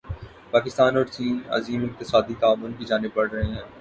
پاکستان اور چین عظیم اقتصادی تعاون کی جانب بڑھ رہے ہیں